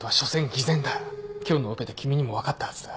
今日のオペで君にも分かったはずだ。